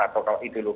atau kalau itu lho